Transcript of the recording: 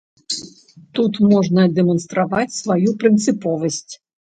Тут можна дэманстраваць сваю прынцыповасць.